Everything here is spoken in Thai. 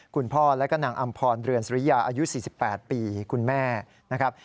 คุณพ่อและก็นางอำพรเรือนสุริยาอายุ๔๘ปีคุณแม่นะครับ